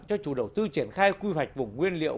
cho chủ đầu tư triển khai quy hoạch vùng nguyên liệu